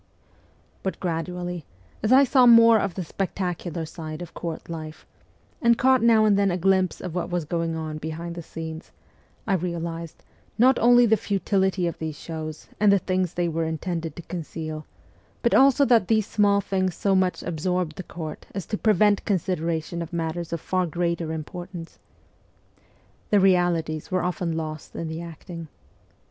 But gradually, as I saw more of the spectacular side of Court life, and caught now and then a glimpse of what was going on behind the scenes, I realized, not only the futility of these shows and the things they were intended to conceal, but also that these small things so much absorbed the Court as to prevent consideration of matters of far greater importance. The realities were often lost in the acting.